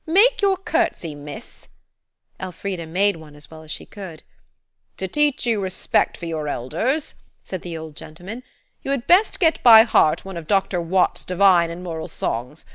Make your curtsey, miss." Elfrida made one as well as she could. "To teach you respect for your elders," said the old gentleman, "you had best get by heart one of Dr. Watts's Divine and Moral Songs.